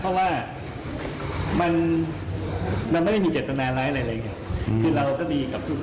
เพราะว่ามันมันไม่ได้มีเจตนาร้ายอะไรเลยไง